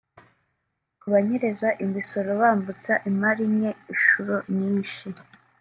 Ku banyereza imisoro bambutsa imari nke inshuro nyinshi